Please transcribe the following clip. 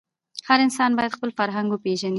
هر انسان باید خپل فرهنګ وپېژني.